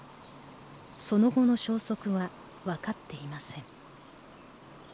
その後の消息は分かっていません。